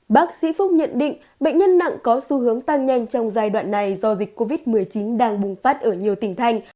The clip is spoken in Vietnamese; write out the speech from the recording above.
bác sĩ phúc nhận định bệnh nhân nặng có xu hướng tăng nhanh trong giai đoạn này do dịch covid một mươi chín đang bùng phát ở nhiều tỉnh thành